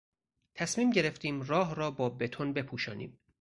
تصمیم گرفتیم راه را با بتون بپوشانیم.